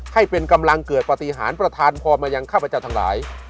ให้เป็นกำลังเกิดปฏิหารประธานพรมายังข้าพเจ้าทั้งหลาย